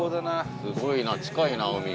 すごいな近いな海。